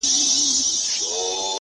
داسي چي حیران؛ دریان د جنگ زامن وي ناست؛